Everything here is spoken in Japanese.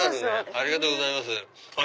ありがとうございます。